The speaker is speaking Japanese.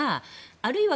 あるいは